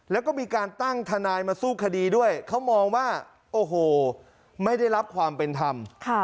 แล้วก็มีการตั้งทนายมาสู้คดีด้วยเขามองว่าโอ้โหไม่ได้รับความเป็นธรรม